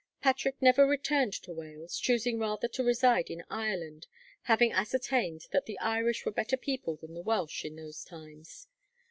'Patrick never returned to Wales, choosing rather to reside in Ireland; having ascertained that the Irish were better people than the Welsh, in those times.'